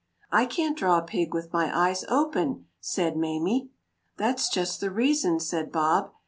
"I can't draw a pig with my eyes open," said Mamie. "That's just the reason," said Bob.